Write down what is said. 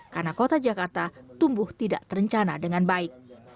karena kota jakarta tumbuh tidak terencana dengan baik